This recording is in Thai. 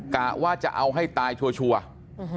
กะว่าจะเอาให้ตายชัวร์